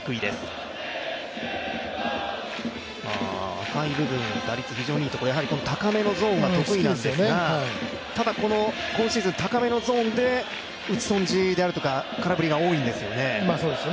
赤い部分、打率いいところやはり高めのゾーンが得意なんですが、ただ今シーズン高めのゾーンでうち損じであるとか空振りが多いんですよね。